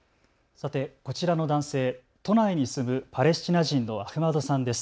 さて、こちらの男性、都内に住むパレスチナ人のアフマドさんです。